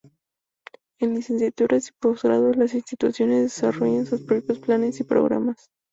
En licenciaturas y posgrados, las instituciones desarrollan sus propios planes y programas.